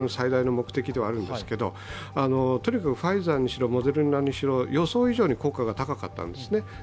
もちろん重症化予防というのはワクチンの最大の目的ではあるんですけど、とにかくファイザーにしろモデルナにしろ、予想以上に効果が高かったんですね。